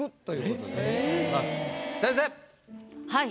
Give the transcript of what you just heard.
はい。